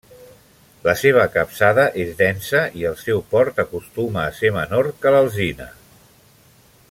La seva capçada és densa i el seu port acostuma a ser menor que l'alzina.